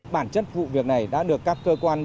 bản chất vụ việc này đã được các cơ quan